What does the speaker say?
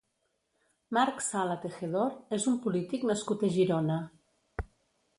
Marc Sala Tejedor és un polític nascut a Girona.